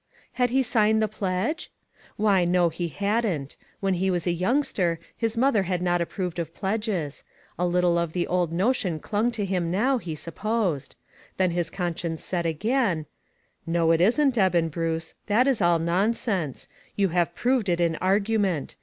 Had he signed the pledge ? Why, no, he hadn't. When he was a youngster, his mother had not approved of pledges ; a lit tle of the old notion clung to him now, he supposed. Then his conscience said again : "No, it isn't, Eben Bruce. .That is all nonsense. You have proved it in argument.